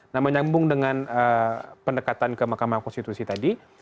nah menyambung dengan pendekatan ke mahkamah konstitusi tadi